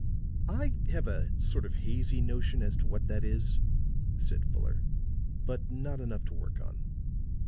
"I have a sort of hazy notion as to what that is," said Fuller, "but not enough to work on."